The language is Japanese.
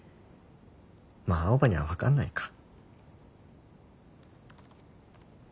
まあ青羽には分かんないか。